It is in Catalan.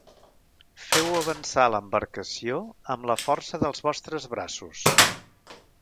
Feu avançar l'embarcació amb la força dels vostres braços.